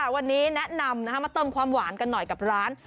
วันนี้แนะนำมาเติมความหวานกันหน่อยกับร้าน